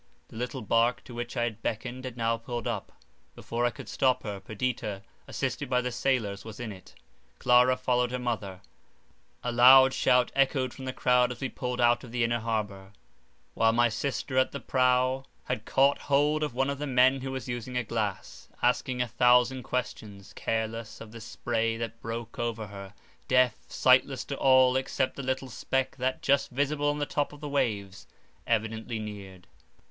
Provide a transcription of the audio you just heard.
The little bark to which I had beckoned had now pulled up; before I could stop her, Perdita, assisted by the sailors was in it—Clara followed her mother—a loud shout echoed from the crowd as we pulled out of the inner harbour; while my sister at the prow, had caught hold of one of the men who was using a glass, asking a thousand questions, careless of the spray that broke over her, deaf, sightless to all, except the little speck that, just visible on the top of the waves, evidently neared.